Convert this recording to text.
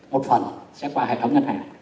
một phần sẽ qua hệ thống ngân hàng